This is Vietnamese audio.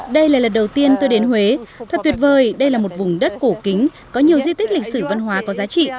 đây là lần đầu tiên tôi đến huế thật tuyệt vời đây là một vùng đất cổ kính có nhiều di tích lịch sử văn hóa có giá trị